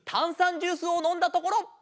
ジュースをのんだところ！